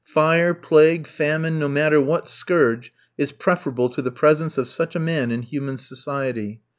Fire, plague, famine, no matter what scourge, is preferable to the presence of such a man in human society.